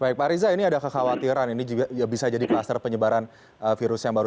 baik pak riza ini ada kekhawatiran ini juga bisa jadi kluster penyebaran virus yang baru